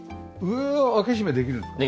上は開け閉めできるんですか？